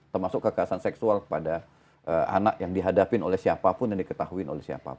termasuk kekerasan seksual kepada anak yang dihadapin oleh siapapun yang diketahui oleh siapapun